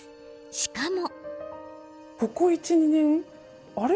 しかも。